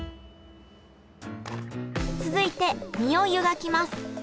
続いて身を湯がきます。